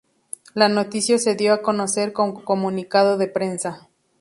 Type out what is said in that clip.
La noticia se dio a conocer con comunicado de prensa.